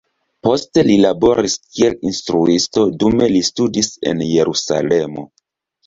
Poste li laboris kiel instruisto, dume li studis en Jerusalemo.